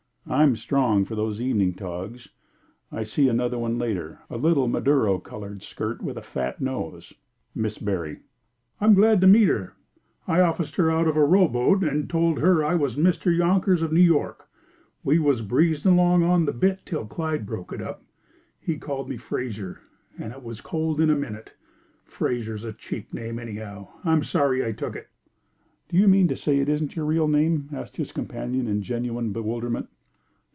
I'm strong for those evening togs. I see another one later; a little Maduro colored skirt with a fat nose." "Miss Berry." "I'm glad to meet her. I officed her out of a rowboat and told her I was Mr. Yonkers of New York. We was breezing along on the bit till Clyde broke it up. He called me Fraser, and it was cold in a minute. Fraser is a cheap name, anyhow; I'm sorry I took it." "Do you mean to say it isn't your real name?" asked his companion, in genuine bewilderment.